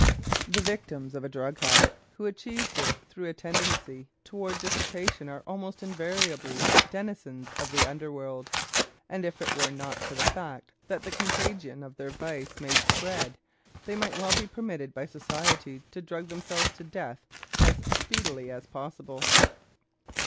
The victims of drag habit who achieved it through a tendency toward dissipation are almost invariably denizens of the under world; and if it were not for the fact that the contagion of their vice may spread, they might well be permitted by society to drug themselves to death as speedily as possible.